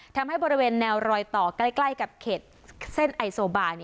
ทำให้บริเวณแนวรอยต่อใกล้กับเขตเส้นไอโซบา